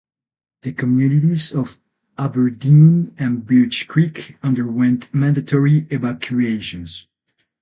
The communities of Aberdeen and Birch Creek underwent mandatory evacuations.